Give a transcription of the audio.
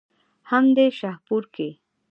هم دې شاهپور کښې